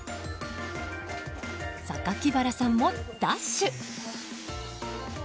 榊原さんもダッシュ。